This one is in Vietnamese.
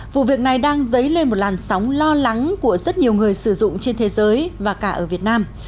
vụ việc này đang dấy lên một làn sóng lo lắng của rất nhiều người sử dụng trên thế giới và cả ở việt nam